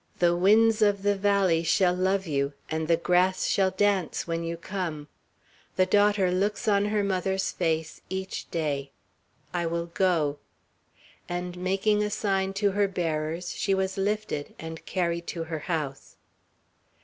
The winds of the valley shall love you, and the grass shall dance when you come. The daughter looks on her mother's face each day. I will go;" and making a sign to her bearers, she was lifted, and carried to her house.